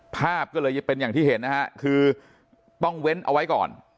ภาพก็เลยเป็นอย่างที่เห็นนะฮะคือต้องเว้นเอาไว้ก่อน